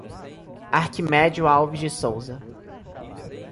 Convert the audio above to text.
Arquimedio Alves de Souza